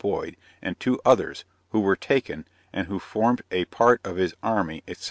Boyd, and two others, who were taken, and who formed a part of his army, etc.